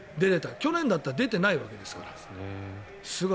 去年だったら出てないわけですから、すごい。